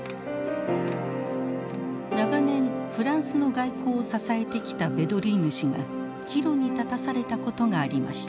長年フランスの外交を支えてきたヴェドリーヌ氏が岐路に立たされたことがありました。